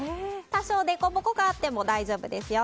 多少、でこぼこがあっても大丈夫ですよ。